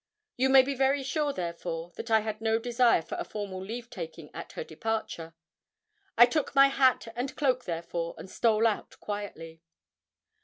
You may be very sure, therefore, that I had no desire for a formal leave taking at her departure. I took my hat and cloak, therefore, and stole out quietly.